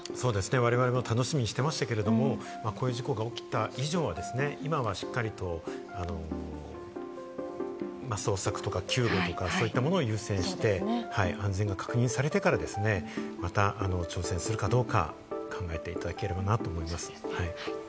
われわれも楽しみにしてましたけれども、こういう事故が起きた以上は、今はしっかりと捜索とか救護とか、そういったものを優先して、安全が確認されてからまた挑戦するかどうか、考えていただければなと思いますね。